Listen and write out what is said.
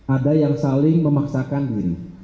ada yang saling memaksakan diri